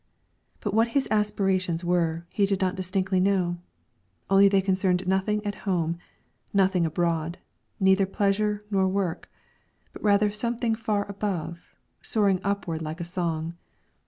But what his aspirations were, he did not distinctly know, only they concerned nothing at home, nothing abroad, neither pleasure nor work; but rather something far above, soaring upward like a song.